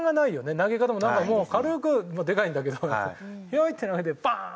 投げ方もなんかもう軽くでかいんだけどヒョイって投げてバーン！